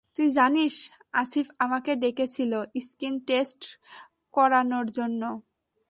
তুই জানিস, আসিফ আমাকে ডেকেছিল স্কিন টেস্ট করানর জন্য।